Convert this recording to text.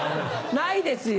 ないですよ！